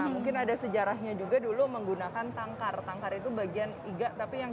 mungkin ada sejarahnya juga dulu menggunakan tangkar tangkar itu bagian iga tapi yang